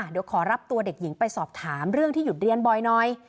เดี๋ยวขอรับตัวเด็กหญิงไปสอบถามเรื่องที่หยุดเรียนบ่อยหน่อย